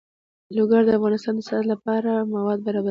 لوگر د افغانستان د صنعت لپاره مواد برابروي.